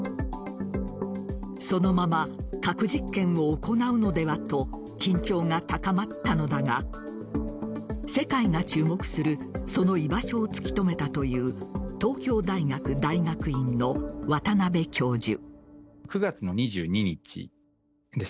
そのまま核実験を行うのではと緊張が高まったのだが世界が注目するその居場所を突き止めたという東京大学大学院の渡邉教授。